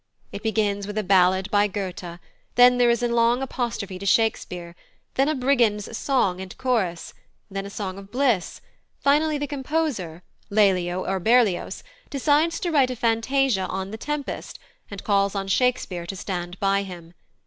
It begins with a ballad by Goethe, then there is a long apostrophe to Shakespeare, then a brigand's song and chorus, then a song of bliss; finally, the composer, Lelio or Berlioz, decides to write a fantasia on The Tempest, and calls on Shakespeare to stand by him.